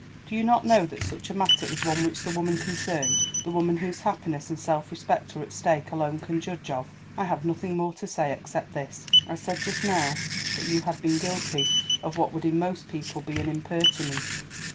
Do you not know that such a matter is one which the woman concerned, the woman whose happiness and self respect are at stake, alone can judge of? I have nothing more to say except this. I said just now that you had been guilty of what would in most people be an impertinence.